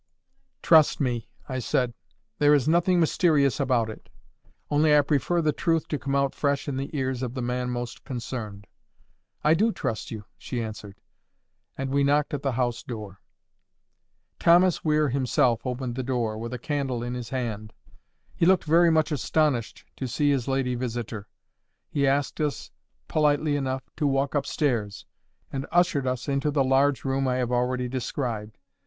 "Trust me," I said. "There is nothing mysterious about it. Only I prefer the truth to come out fresh in the ears of the man most concerned." "I do trust you," she answered. And we knocked at the house door. Thomas Weir himself opened the door, with a candle in his hand. He looked very much astonished to see his lady visitor. He asked us, politely enough, to walk up stairs, and ushered us into the large room I have already described.